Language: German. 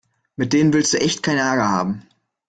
Mit denen willst du echt keinen Ärger haben.